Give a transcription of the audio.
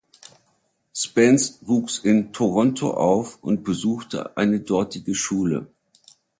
Spence wuchs in Toronto auf und besuchte eine dortige Schule.